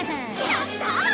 やったわ！